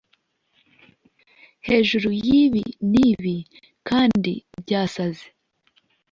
hejuru yibi n'ibi kandi byasaze